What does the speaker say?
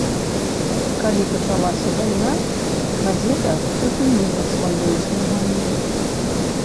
Калі пачалася вайна, газета прыпыніла сваё існаванне.